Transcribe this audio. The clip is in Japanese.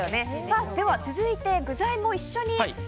では、続いて具材も一緒に。